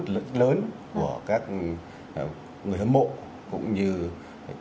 cũng như các người hâm mộ của các người hâm mộ của các người hâm mộ của các người hâm mộ